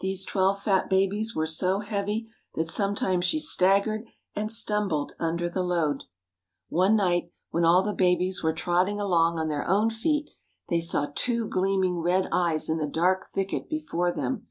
These twelve fat babies were so heavy that sometimes she staggered and stumbled under the load. One night, when all the babies were trotting along on their own feet, they saw two gleaming red eyes in the dark thicket before them.